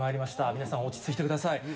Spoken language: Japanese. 皆さん、落ち着いてください。